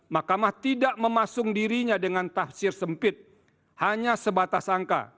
mahkamah tidak memasung dirinya dengan tafsir sempit hanya sebatas angka